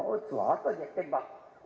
oh selalu aja tembak